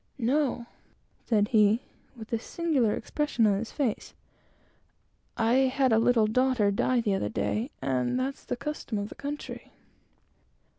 "No!" said he, with a singular expression to his face; "I had a little daughter die the other day, and that's the custom of the country."